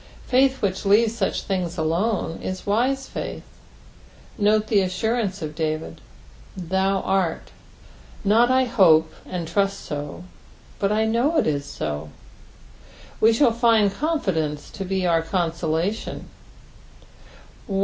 Faith which leaves such things alone ia wise faith. Note the assurance of David, " thou art," not I hope and trust so, but I know it is so ; we shall find confidence to be our coasolation.